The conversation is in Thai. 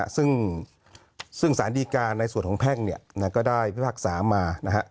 ซึ่งสารดีการในส่วนของแพ่งก็ได้พิพากษามา